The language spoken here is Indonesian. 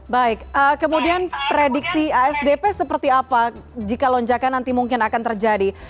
baik kemudian prediksi asdp seperti apa jika lonjakan nanti mungkin akan terjadi